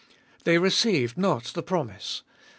They received not the promise.